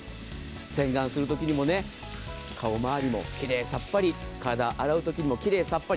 洗顔する時にも顔回りも奇麗さっぱり体を洗う時にも奇麗さっぱり。